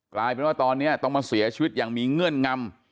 กลายเป็นว่าตอนนี้ต้องมาเสียชีวิตอย่างมีเงื่อนงำ